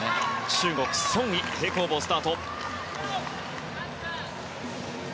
中国ソン・イ、平行棒スタート。